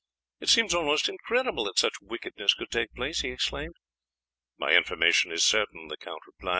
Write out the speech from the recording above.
"It seems almost incredible that such wickedness could take place!" he exclaimed. "My information is certain," the count replied.